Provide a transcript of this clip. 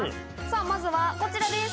まずはこちらです